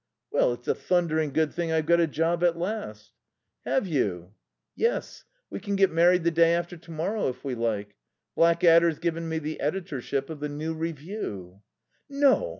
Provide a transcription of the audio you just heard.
"Well, it's a thundering good thing I've got a job at last." "Have you?" "Yes. We can get married the day after tomorrow if we like. Blackadder's given me the editorship of the New Review." "No?